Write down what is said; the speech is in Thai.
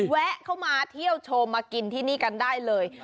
แวะเข้ามาเที่ยวชมมากินที่นี่กันได้เลย